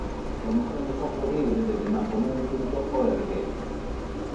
Promoción do software libre desde Mancomun.org